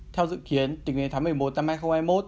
theo dự kiến tỉnh này tháng một mươi một năm hai nghìn hai mươi một